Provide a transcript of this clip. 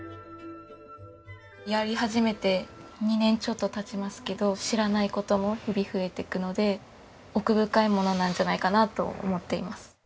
やり始めて２年ちょっと経ちますけど知らない事も日々増えていくので奥深いものなんじゃないかなと思っています。